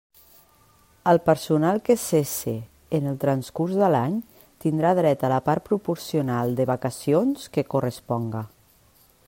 El personal que cesse en el transcurs de l'any tindrà dret a la part proporcional de vacacions que corresponga.